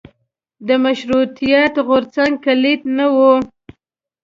د مشروطیت غورځنګ کلیت نه و.